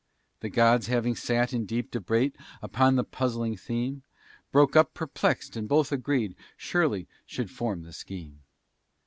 The gods having sat in deep debate Upon the puzzling theme, Broke up perplexed and both agreed Shirley should form the scheme.